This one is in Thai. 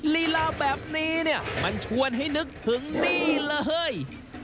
ลีลาแบบนี้เนี่ยมันชวนให้นึกถึงนี่เลย